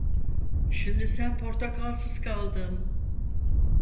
Şimdi sen portakalsız kaldın.